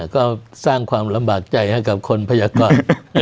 ก็สร้างความลำบากใจให้กับคนพยากร